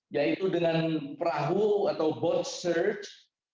yaitu dengan perahu atau bot search